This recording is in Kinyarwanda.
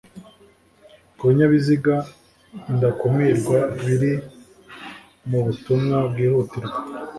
Ku binyabiziga ndakumirwa biri mubutumwa bwihutirwa